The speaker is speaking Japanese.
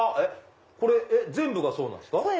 これ全部がそうなんすか？